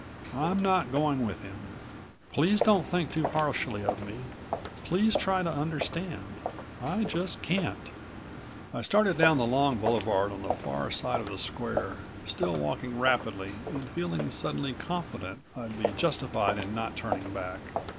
I'm not going with him. Please don't think too harshly of me, please try to understand. I just can't " I started down the long boulevard on the far side of the square, still walking rapidly and feeling suddenly confident I'd been justified in not turning back.